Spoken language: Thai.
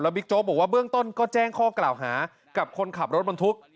บิ๊กโจ๊กบอกว่าเบื้องต้นก็แจ้งข้อกล่าวหากับคนขับรถบรรทุก